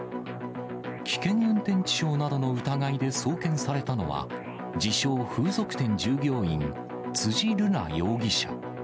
危険運転致傷などの疑いで送検されたのは、自称、風俗店従業員、辻瑠菜容疑者。